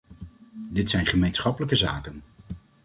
Dit zijn gemeenschappelijke zaken.